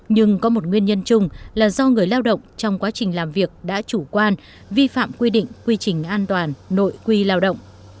nhưng có một nguyên nhân chung là do người lao động trong quá trình làm việc đã chủ quan vi phạm quy định quy trình an toàn nội quy lao động